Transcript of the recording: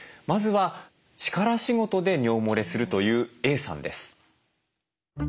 まずは力仕事で尿もれするというＡさんです。